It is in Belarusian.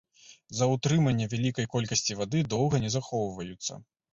З-за ўтрымання вялікай колькасці вады доўга не захоўваюцца.